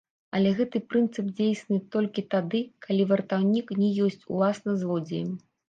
Але гэты прынцып дзейсны толькі тады, калі вартаўнік не ёсць уласна злодзеем.